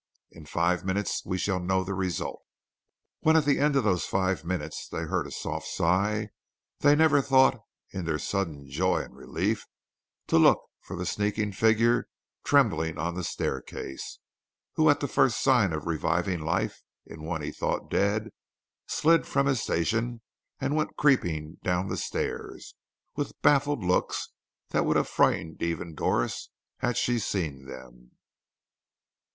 "In five minutes we shall know the result." And when at the end of those five minutes they heard a soft sigh, they never thought, in their sudden joy and relief, to look for the sneaking figure trembling on the staircase, who, at this first sign of reviving life in one he thought dead, slid from his station and went creeping down the stairs, with baffled looks that would have frightened even Doris had she seen them.